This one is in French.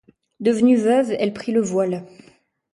Devenue veuve, elle prit le voile.